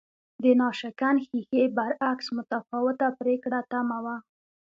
د ناشکن ښیښې برعکس متفاوته پرېکړه تمه وه